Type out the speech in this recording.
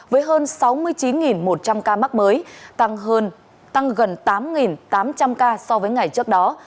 với hơn sáu mươi chín một trăm linh ca mắc mới tăng gần tám tám trăm linh ca so với ngày trước đó